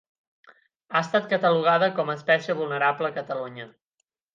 Ha estat catalogada com a espècie vulnerable a Catalunya.